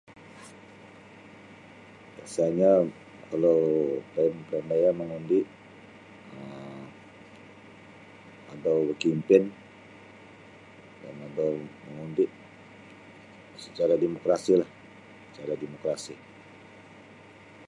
Biasanyo kalau taim karamaian mangundi um adau bakimpin dan adau mangundi secara demokrasilah secara demokrasi.